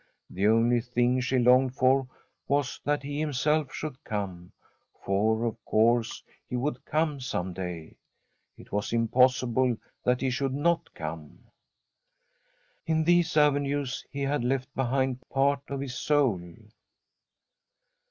The only thing she longed for was that he himself should come, for of course he would come some day. It was impossible that he should not come. I74l The STORY of a COUNTRY HOUSE In these avenues he had left behind part of his soul.